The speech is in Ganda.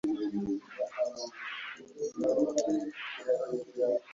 Yandaajanira nti, "bambi bw'onzitira wano, onookola otya nze nfudde."